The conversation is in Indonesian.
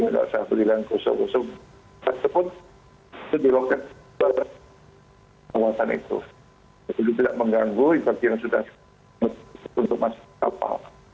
dan juga sudah dianggur jadi tidak mengganggu yang sudah masuk kapal